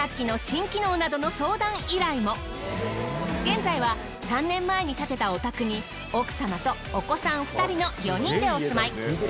現在は３年前に建てたお宅に奥様とお子さん２人の４人でお住まい。